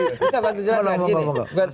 bisa pak tujuh jelaskan